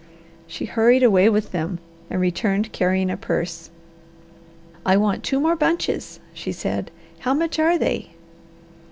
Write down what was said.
She hurried away with them and returned carrying a purse. "I want two more bunches," she said. "How much are they?"